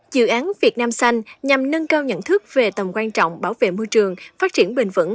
dự án việt nam xanh nhằm nâng cao nhận thức về tầm quan trọng bảo vệ môi trường phát triển bền vững